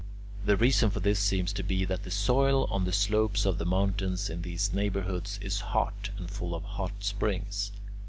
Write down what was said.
The reason for this seems to be that the soil on the slopes of the mountains in these neighbourhoods is hot and full of hot springs.